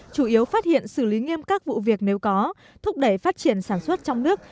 chủ yếu phát hiện xử lý nghiêm các vụ việc nếu có thúc đẩy phát triển sản xuất trong nước